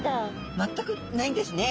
全くないんですね。